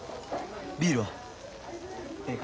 ビールは？ええか。